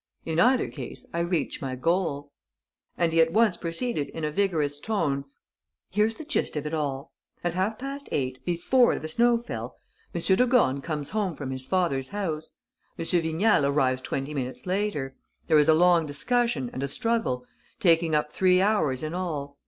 In either case I reach my goal." And he at once proceeded in a vigorous tone: "Here's the gist of it all. At half past eight, before the snow fell, M. de Gorne comes home from his father's house. M. Vignal arrives twenty minutes later. There is a long discussion and a struggle, taking up three hours in all.